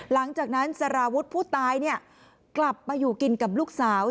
หลังจากนั้นสารวุฒิผู้ตายเนี่ยกลับมาอยู่กินกับลูกสาว